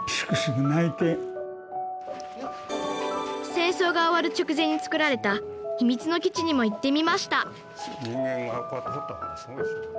戦争が終わる直前につくられた秘密の基地にも行ってみました！